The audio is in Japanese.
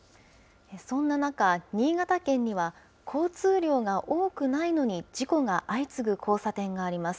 そんな中、新潟県には交通量が多くないのに事故が相次ぐ交差点があります。